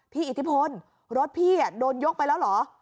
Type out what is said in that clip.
อิทธิพลรถพี่โดนยกไปแล้วเหรอ